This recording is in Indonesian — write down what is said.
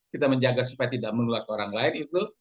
kita menjaga supaya tidak menular ke orang lain